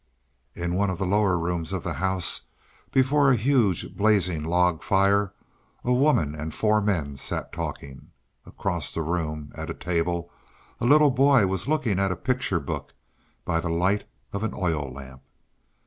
In one of the lower rooms of the house, before a huge, blazing log fire, a woman and four men sat talking. Across the room, at a table, a little boy was looking at a picture book by the light of an oil lamp.